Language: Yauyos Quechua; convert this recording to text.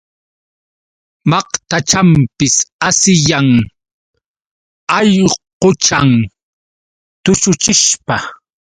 Maqtachanpis asiyan allquchan tushuchishpa.